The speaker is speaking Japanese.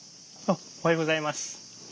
あおはようございます。